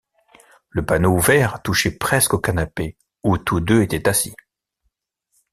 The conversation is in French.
Le panneau ouvert touchait presque au canapé où tous deux étaient assis.